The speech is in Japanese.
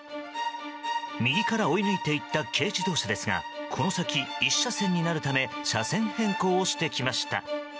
右から追い抜いて行った軽自動車ですがこの先、１車線になるため車線変更をしてきました。